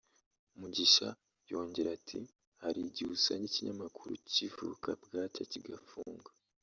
Mugisha yongera ati “Hari igihe usanga ikinyamakuru kivuka bwacya kigafunga